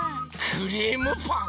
クリームパン。